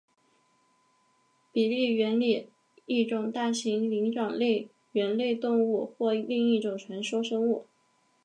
比利猿里的一种大型灵长类猿类动物或另一种传说生物。